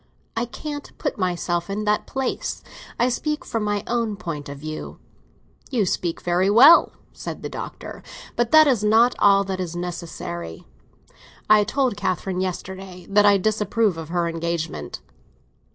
I can't put myself in that place. I speak from my own point of view." "You speak very well," said the Doctor; "but that is not all that is necessary. I told Catherine yesterday that I disapproved of her engagement."